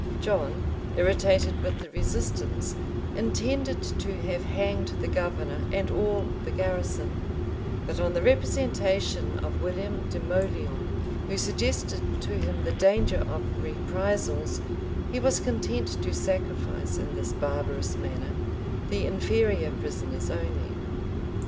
John, irritated with the resistance, intended to have hanged the governor and all the garrison; but on the representation of William de Mauleon, who suggested to him the danger of reprisals, he was content to sacrifice, in this barbarous manner, the inferior prisoners only.